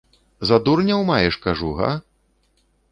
За дурняў маеш, кажу, га?